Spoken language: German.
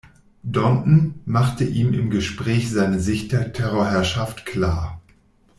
Danton macht ihm im Gespräch seine Sicht der Terrorherrschaft klar.